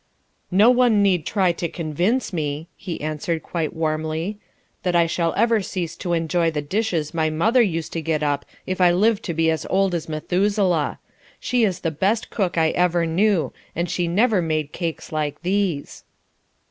"No one need try to convince me," he answered quite warmly, "that I shall ever cease to enjoy the dishes my mother used to get up if I live to be as old as Methuselah! She is the best cook I ever knew, and she never made cakes like these."